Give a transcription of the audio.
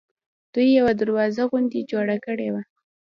دوی یوه دروازه غوندې جوړه کړې وه.